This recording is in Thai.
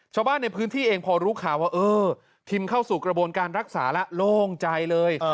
ชาวบ้านในพื้นที่เองพอรู้ข่าวว่าเออทีมเข้าสู่กระบวนการรักษาแล้วโล่งใจเลย